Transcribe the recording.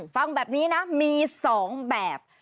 ฟังแบบนี้นะมี๒แบบ